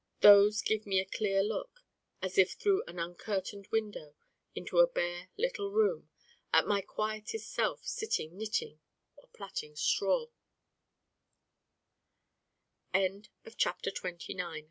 those give me a clear look, as if through an uncurtained window into a bare little room, at my quietest self sitting knitting or plaiting straw A life long lonely word To mor